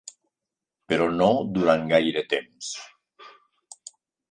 Però no durant gaire temps.